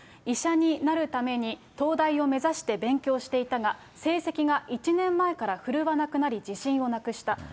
医者になるために東大を目指して勉強していたが、成績が１年前からふるわなくなり自信をなくした。